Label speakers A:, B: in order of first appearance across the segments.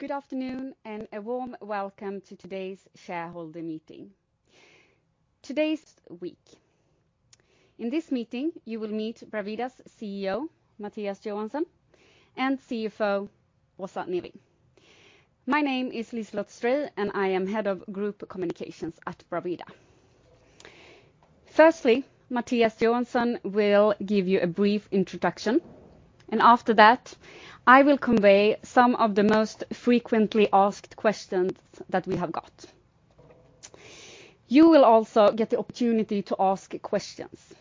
A: Good afternoon, and a warm welcome to today's shareholder meeting. Today's webinar. In this meeting, you will meet Bravida's CEO, Mattias Johansson, and CFO, Åsa Neving. My name is Liselotte Stray, and I am Head of Group Communications at Bravida. Firstly, Mattias Johansson will give you a brief introduction, and after that, I will convey some of the most frequently asked questions that we have got. You will also get the opportunity to ask questions.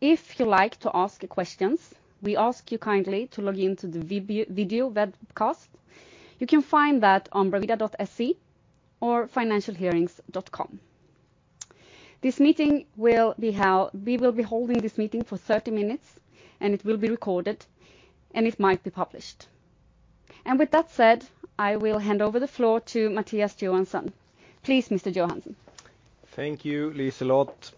A: If you like to ask questions, we ask you kindly to log into the video webcast. You can find that on bravida.se or financialhearings.com. We will be holding this meeting for 30 minutes, and it will be recorded, and it might be published. And with that said, I will hand over the floor to Mattias Johansson. Please, Mr. Johansson.
B: Thank you, Liselotte.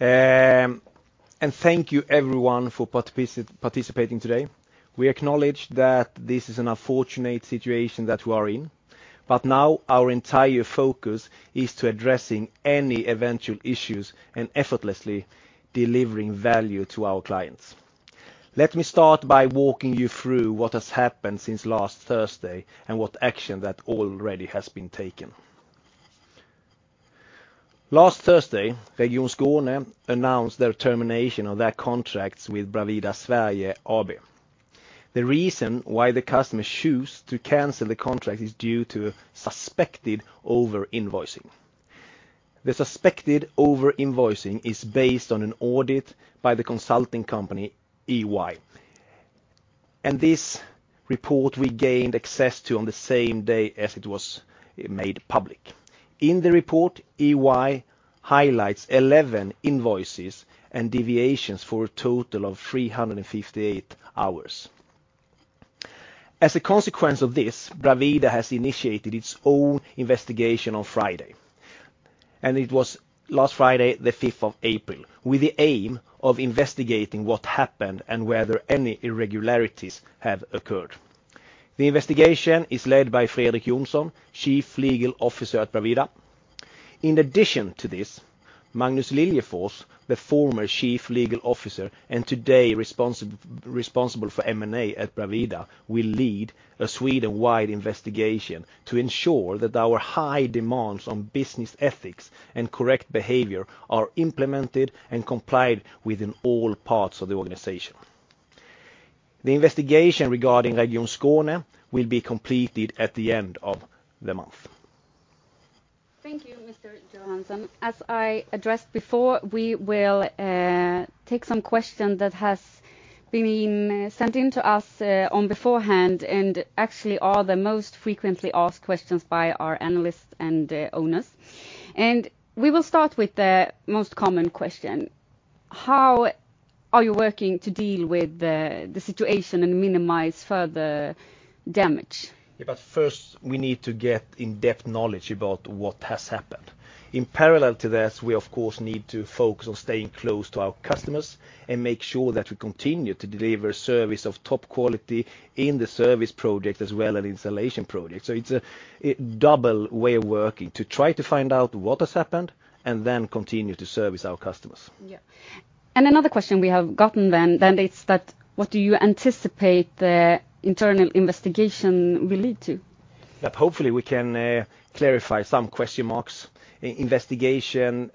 B: And thank you everyone for participating today. We acknowledge that this is an unfortunate situation that we are in, but now our entire focus is to addressing any eventual issues and effortlessly delivering value to our clients. Let me start by walking you through what has happened since last Thursday and what action that already has been taken. Last Thursday, Region Skåne announced their termination of their contracts with Bravida Sverige AB. The reason why the customer choose to cancel the contract is due to suspected over-invoicing. The suspected over-invoicing is based on an audit by the consulting company, EY, and this report we gained access to on the same day as it was made public. In the report, EY highlights eleven invoices and deviations for a total of 358 hours. As a consequence of this, Bravida has initiated its own investigation on Friday, and it was last Friday, the fifth of April, with the aim of investigating what happened and whether any irregularities have occurred. The investigation is led by Fredrik Jonsson, Chief Legal Officer at Bravida. In addition to this, Magnus Liljefors, the former Chief Legal Officer, and today responsible for M&A at Bravida, will lead a Sweden-wide investigation to ensure that our high demands on business ethics and correct behavior are implemented and complied within all parts of the organization. The investigation regarding Region Skåne will be completed at the end of the month.
A: Thank you, Mr. Johansson. As I addressed before, we will take some question that has been sent in to us on beforehand, and actually are the most frequently asked questions by our analysts and owners. And we will start with the most common question: How are you working to deal with the situation and minimize further damage?
B: Yeah, but first, we need to get in-depth knowledge about what has happened. In parallel to this, we, of course, need to focus on staying close to our customers and make sure that we continue to deliver service of top quality in the service project, as well as installation projects. So it's a double way of working to try to find out what has happened and then continue to service our customers.
A: Yeah. Another question we have gotten, what do you anticipate the internal investigation will lead to?
B: Yep, hopefully, we can clarify some question marks. Investigation,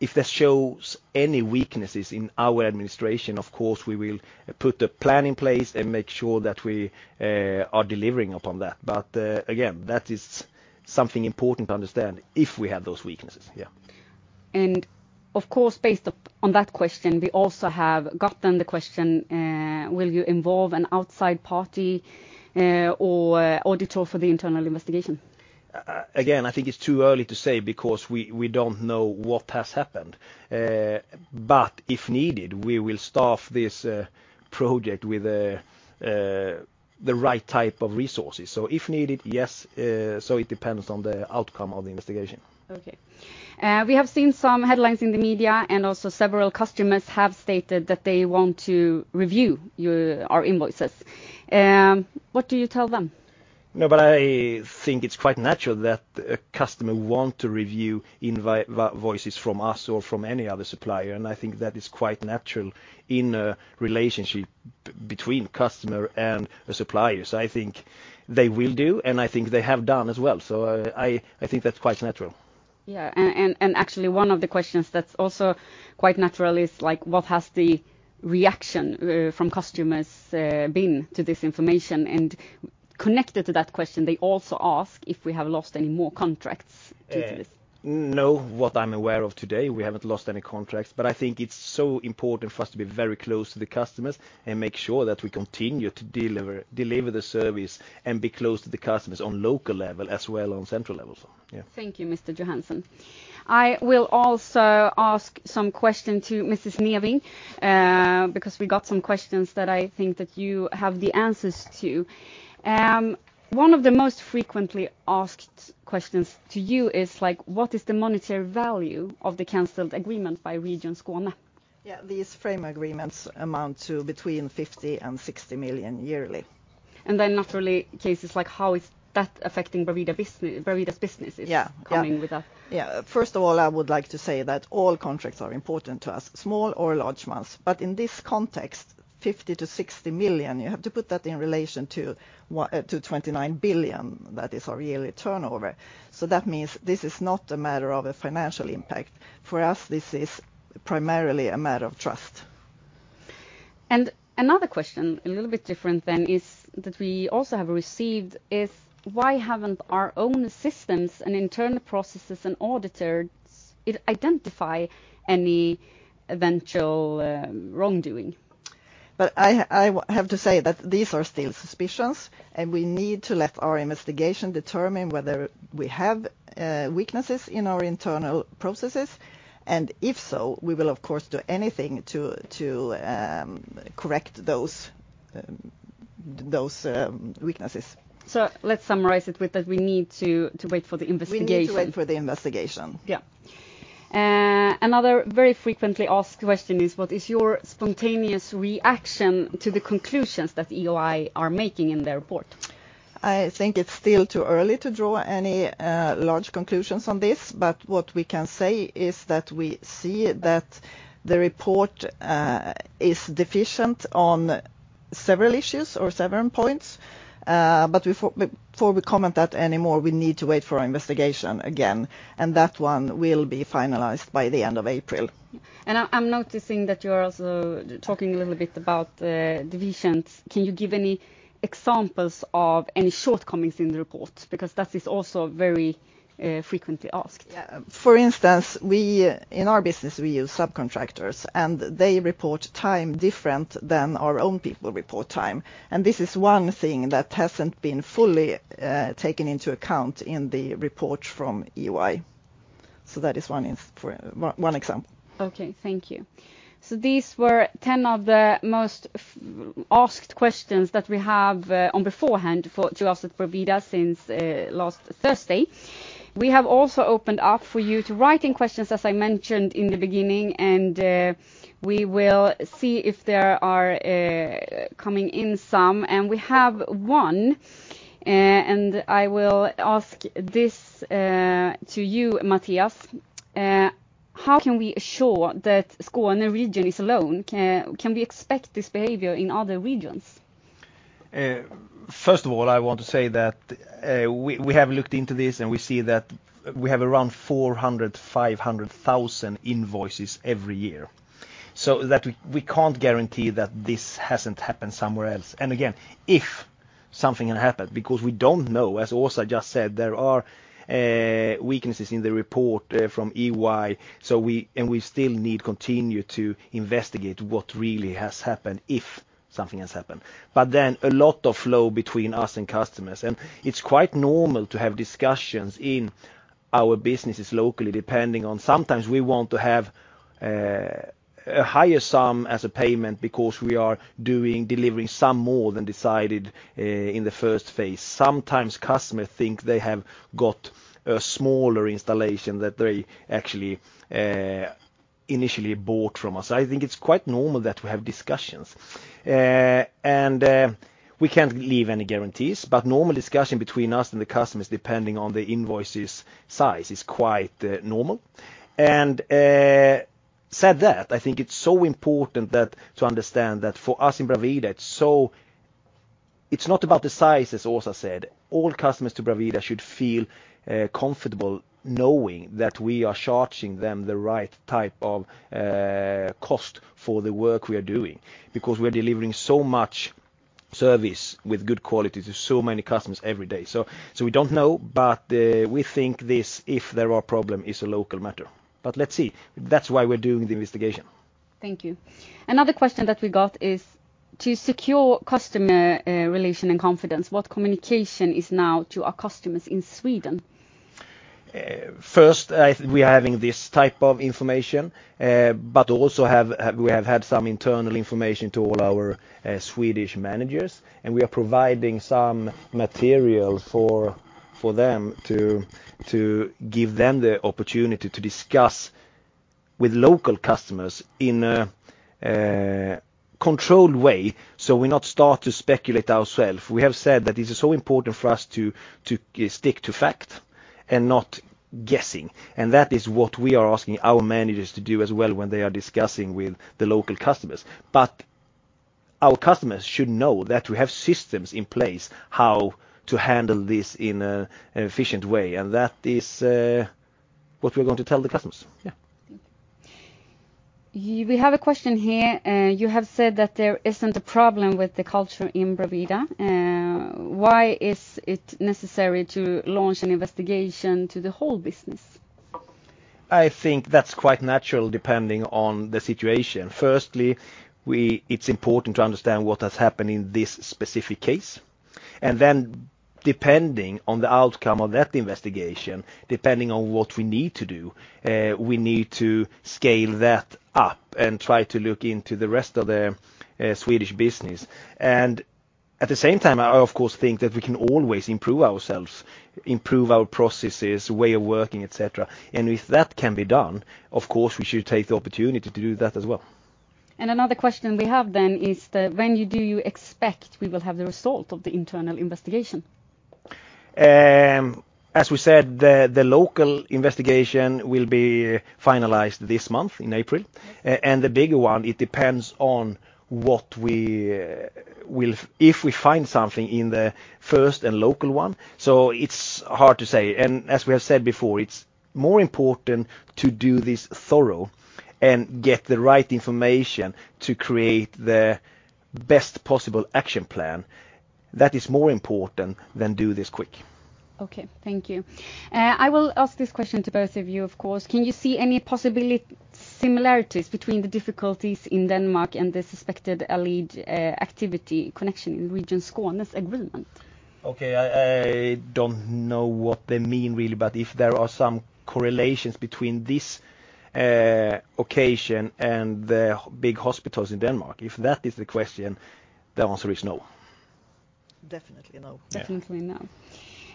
B: if that shows any weaknesses in our administration, of course, we will put the plan in place and make sure that we are delivering upon that. But, again, that is something important to understand, if we have those weaknesses. Yeah.
A: Of course, based upon that question, we also have gotten the question: Will you involve an outside party, or auditor for the internal investigation?
B: Again, I think it's too early to say because we don't know what has happened. But if needed, we will staff this project with the right type of resources. If needed, yes, so it depends on the outcome of the investigation.
A: Okay. We have seen some headlines in the media, and also several customers have stated that they want to review your-our invoices. What do you tell them?
B: No, but I think it's quite natural that a customer want to review invoices from us or from any other supplier, and I think that is quite natural in a relationship between customer and the suppliers. I think they will do, and I think they have done as well. So I think that's quite natural.
A: Yeah, and actually one of the questions that's also quite natural is, like, what has the reaction from customers been to this information? And connected to that question, they also ask if we have lost any more contracts due to this.
B: No, what I'm aware of today, we haven't lost any contracts, but I think it's so important for us to be very close to the customers and make sure that we continue to deliver, deliver the service and be close to the customers on local level as well on central levels. Yeah.
A: Thank you, Mr. Johansson. I will also ask some question to Mrs. Neving, because we got some questions that I think that you have the answers to. One of the most frequently asked questions to you is, like, what is the monetary value of the canceled agreement by Region Skåne?
C: Yeah, these frame agreements amount to between 50 million and 60 million yearly.
A: And then naturally, cases like how is that affecting Bravida's business, Bravida's businesses-
C: Yeah.
A: -coming with that?
C: Yeah. First of all, I would like to say that all contracts are important to us, small or large amounts. But in this context, 50 million-60 million, you have to put that in relation to 1 to 29 billion. That is our yearly turnover. So that means this is not a matter of a financial impact. For us, this is primarily a matter of trust.
A: Another question, a little bit different than is, that we also have received, is: why haven't our own systems and internal processes and auditors identify any eventual wrongdoing?
C: But I have to say that these are still suspicions, and we need to let our investigation determine whether we have weaknesses in our internal processes, and if so, we will, of course, do anything to correct those weaknesses.
A: Let's summarize it with that we need to wait for the investigation.
C: We need to wait for the investigation.
A: Yeah. Another very frequently asked question is: what is your spontaneous reaction to the conclusions that EY are making in their report?
C: I think it's still too early to draw any large conclusions on this, but what we can say is that we see that the report is deficient on several issues or several points. But before we comment that any more, we need to wait for our investigation again, and that one will be finalized by the end of April.
A: And I'm noticing that you're also talking a little bit about the divisions. Can you give any examples of any shortcomings in the report? Because that is also very frequently asked.
C: Yeah. For instance, we, in our business, we use subcontractors, and they report time different than our own people report time, and this is one thing that hasn't been fully taken into account in the report from EY. So that is one example.
A: Okay, thank you. So these were 10 of the most frequently asked questions that we have on beforehand for to ask for Bravida since last Thursday. We have also opened up for you to write in questions, as I mentioned in the beginning, and we will see if there are coming in some, and we have one. I will ask this to you, Mattias. How can we assure that Skåne region is alone? Can we expect this behavior in other regions?
B: First of all, I want to say that, we have looked into this, and we see that we have around 400,000-500,000 invoices every year, so that we can't guarantee that this hasn't happened somewhere else. And again, if something had happened, because we don't know, as Åsa just said, there are weaknesses in the report from EY, so we and we still need continue to investigate what really has happened, if something has happened. But then a lot of flow between us and customers, and it's quite normal to have discussions in our businesses locally, depending on sometimes we want to have a higher sum as a payment because we are doing, delivering some more than decided in the first phase. Sometimes customers think they have got a smaller installation than they actually initially bought from us. I think it's quite normal that we have discussions. We can't give any guarantees, but normal discussion between us and the customers, depending on the invoice's size, is quite normal. And said that, I think it's so important that to understand that for us in Bravida, it's so—it's not about the size, as Åsa said. All customers to Bravida should feel comfortable knowing that we are charging them the right type of cost for the work we are doing because we're delivering so much service with good quality to so many customers every day. So, so we don't know, but we think this, if there are problem, is a local matter. But let's see. That's why we're doing the investigation.
A: Thank you. Another question that we got is: to secure customer relation and confidence, what communication is now to our customers in Sweden?
B: First, we are having this type of information, but also we have had some internal information to all our Swedish managers, and we are providing some material for them to give them the opportunity to discuss with local customers in a controlled way, so we not start to speculate ourselves. We have said that it is so important for us to stick to fact and not guessing, and that is what we are asking our managers to do as well when they are discussing with the local customers. But our customers should know that we have systems in place how to handle this in an efficient way, and that is what we are going to tell the customers. Yeah.
A: Thank you. We have a question here. You have said that there isn't a problem with the culture in Bravida. Why is it necessary to launch an investigation to the whole business?
B: I think that's quite natural, depending on the situation. Firstly, it's important to understand what has happened in this specific case.... And then depending on the outcome of that investigation, depending on what we need to do, we need to scale that up and try to look into the rest of the, Swedish business. And at the same time, I, of course, think that we can always improve ourselves, improve our processes, way of working, et cetera. And if that can be done, of course, we should take the opportunity to do that as well.
A: Another question we have then is, when do you expect we will have the result of the internal investigation?
B: As we said, the local investigation will be finalized this month, in April. The bigger one, it depends on what we will if we find something in the first and local one. It's hard to say. As we have said before, it's more important to do this thorough and get the right information to create the best possible action plan. That is more important than do this quick.
A: Okay, thank you. I will ask this question to both of you, of course. Can you see any possibility, similarities between the difficulties in Denmark and the suspected alleged, activity connection in Region Skåne agreement?
B: Okay, I don't know what they mean, really, but if there are some correlations between this occasion and the big hospitals in Denmark, if that is the question, the answer is no.
A: Definitely no.
B: Yeah.
A: Definitely no.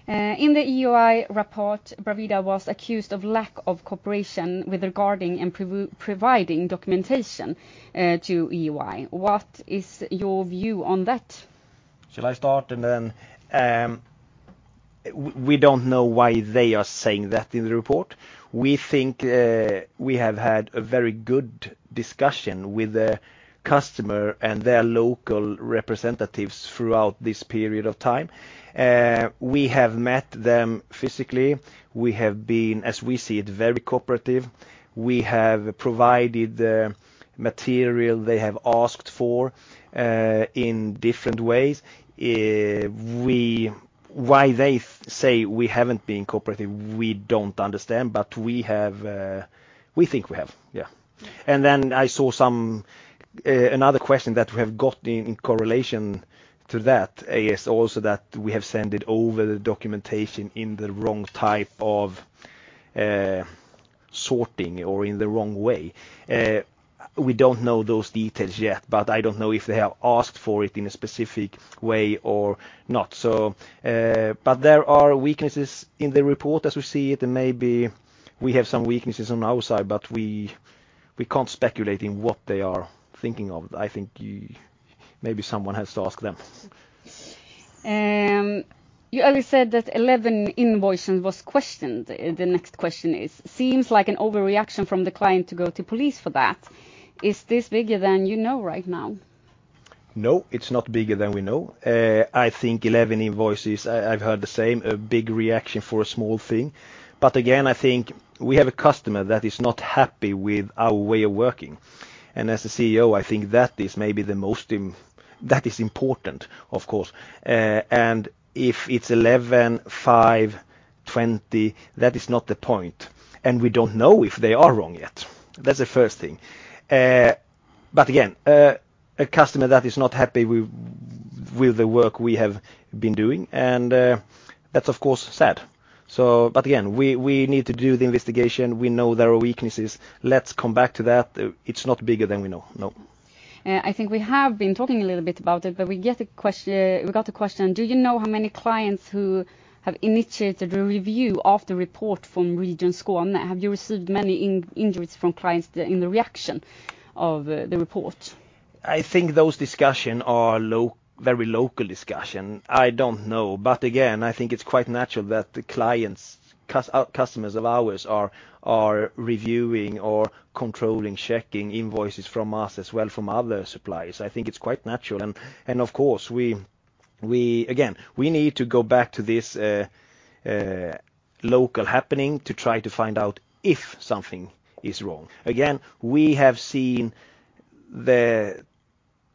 A: In the EY report, Bravida was accused of lack of cooperation with regard to providing documentation to EY. What is your view on that?
B: Shall I start, and then... We don't know why they are saying that in the report. We think, we have had a very good discussion with the customer and their local representatives throughout this period of time. We have met them physically. We have been, as we see it, very cooperative. We have provided the material they have asked for, in different ways. Why they say we haven't been cooperative, we don't understand, but we have, we think we have, yeah. And then I saw some... Another question that we have got in correlation to that is also that we have sent it over the documentation in the wrong type of, sorting or in the wrong way. We don't know those details yet, but I don't know if they have asked for it in a specific way or not. So, but there are weaknesses in the report as we see it, and maybe we have some weaknesses on our side, but we can't speculate in what they are thinking of. I think you, maybe someone has to ask them.
A: You already said that 11 invoices was questioned. The next question is: Seems like an overreaction from the client to go to police for that. Is this bigger than you know right now?
B: No, it's not bigger than we know. I think 11 invoices. I've heard the same, a big reaction for a small thing. But again, I think we have a customer that is not happy with our way of working, and as a CEO, I think that is maybe the most important, of course. And if it's 11, 5, 20, that is not the point, and we don't know if they are wrong yet. That's the first thing. But again, a customer that is not happy with the work we have been doing, and that's of course sad. So but again, we need to do the investigation. We know there are weaknesses. Let's come back to that. It's not bigger than we know. No.
A: I think we have been talking a little bit about it, but we got a question: Do you know how many clients who have initiated a review of the report from Region Skåne? Have you received many inquiries from clients in reaction to the report?
B: I think those discussions are very local discussions. I don't know. But again, I think it's quite natural that the clients, customers of ours are reviewing or controlling, checking invoices from us as well from other suppliers. I think it's quite natural. And of course, we. Again, we need to go back to this local happening to try to find out if something is wrong. Again, we have seen the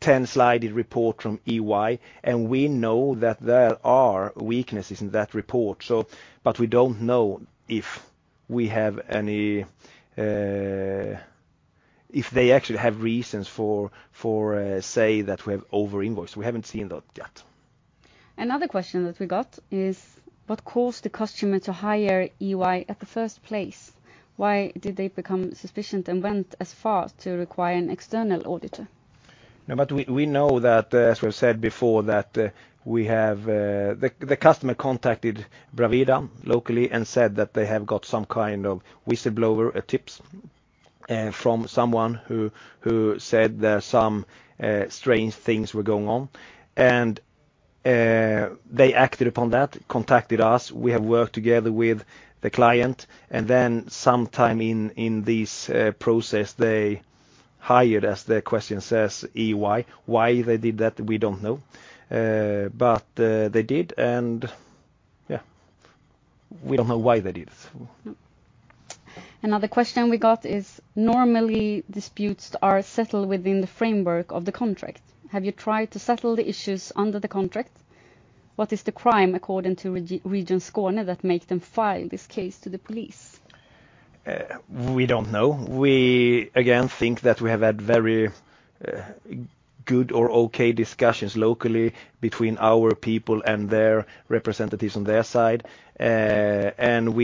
B: 10-slide report from EY, and we know that there are weaknesses in that report, so but we don't know if we have any, if they actually have reasons for say that we have over-invoiced. We haven't seen that yet.
A: Another question that we got is: What caused the customer to hire EY in the first place? Why did they become suspicious and went as far to require an external auditor?
B: No, but we, we know that, as we've said before, that we have. The customer contacted Bravida locally and said that they have got some kind of whistleblower tips from someone who said that some strange things were going on. And they acted upon that, contacted us. We have worked together with the client, and then sometime in this process, they hired, as the question says, EY. Why they did that, we don't know. But they did, and yeah, we don't know why they did.
A: Another question we got is: Normally, disputes are settled within the framework of the contract. Have you tried to settle the issues under the contract? What is the crime, according to Region Skåne, that make them file this case to the police? ...
B: We don't know. We, again, think that we have had very good or okay discussions locally between our people and their representatives on their side. And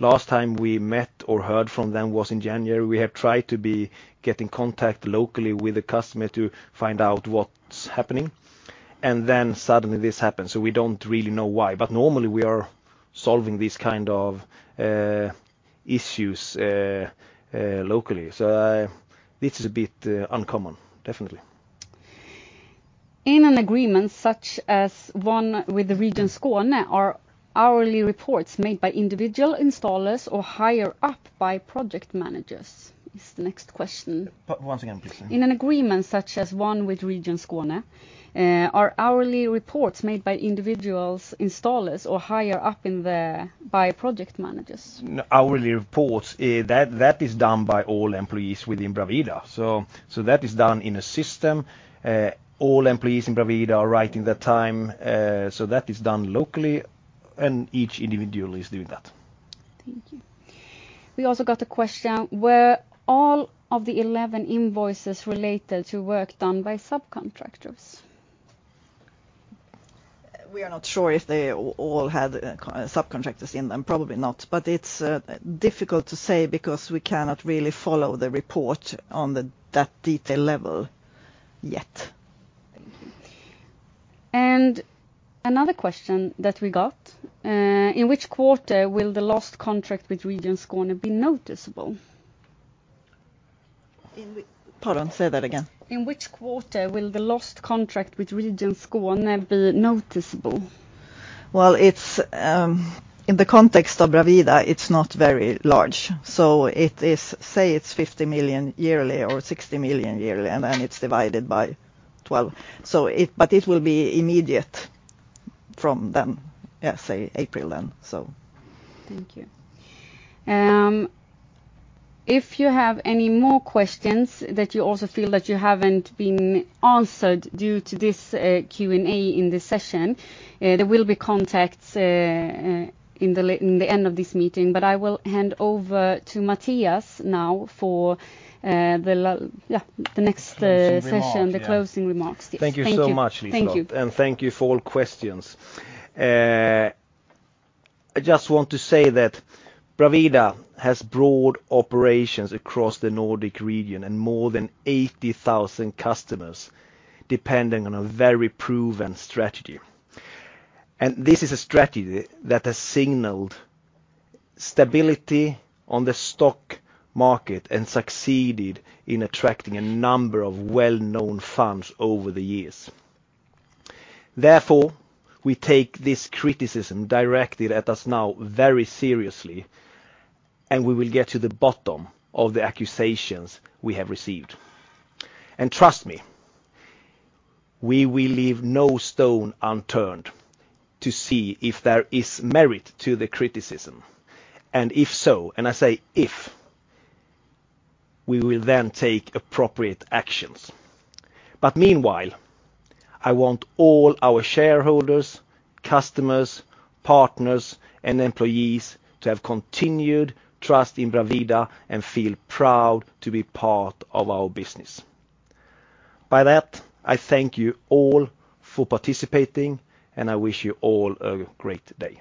B: last time we met or heard from them was in January. We have tried to be getting contact locally with the customer to find out what's happening, and then suddenly this happens, so we don't really know why. But normally, we are solving these kind of issues locally. So this is a bit uncommon, definitely.
A: In an agreement such as one with the Region Skåne, are hourly reports made by individual installers or higher up by project managers? Is the next question.
B: But once again, please.
A: In an agreement such as one with Region Skåne, are hourly reports made by individuals, installers, or higher up by project managers?
B: Hourly reports, that is done by all employees within Bravida. That is done in a system. All employees in Bravida are writing their time, so that is done locally, and each individual is doing that.
A: Thank you. We also got a question: Were all of the 11 invoices related to work done by subcontractors?
C: We are not sure if they all had subcontractors in them. Probably not, but it's difficult to say because we cannot really follow the report on that detail level yet.
A: Thank you. Another question that we got: In which quarter will the lost contract with Region Skåne be noticeable?
C: Pardon, say that again.
A: In which quarter will the lost contract with Region Skåne be noticeable?
C: Well, it's in the context of Bravida, it's not very large, so it is, say, it's 50 million yearly or 60 million yearly, and then it's divided by 12. But it will be immediate from then, yeah, say, April then, so.
A: Thank you. If you have any more questions that you also feel that you haven't been answered due to this Q&A in this session, there will be contacts in the end of this meeting. But I will hand over to Mattias now for, yeah, the next session.
B: Closing remarks.
A: The closing remarks, yes.
B: Thank you so much, Liselotte.
A: Thank you.
B: Thank you for all questions. I just want to say that Bravida has broad operations across the Nordic region, and more than 80,000 customers depending on a very proven strategy. This is a strategy that has signaled stability on the stock market and succeeded in attracting a number of well-known funds over the years. Therefore, we take this criticism directed at us now very seriously, and we will get to the bottom of the accusations we have received. Trust me, we will leave no stone unturned to see if there is merit to the criticism, and if so, and I say if, we will then take appropriate actions. Meanwhile, I want all our shareholders, customers, partners, and employees to have continued trust in Bravida and feel proud to be part of our business. By that, I thank you all for participating, and I wish you all a great day.